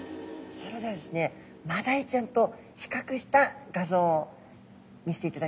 それではですねマダイちゃんと比較した画像を見せていただきます。